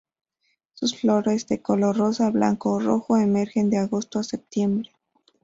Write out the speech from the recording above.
Sus flores de color rosa, blanco o rojo, emergen de agosto a septiembre.